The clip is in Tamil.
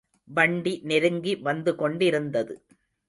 வண்டி நெருங்கி வந்துகொண்டிருந்தது.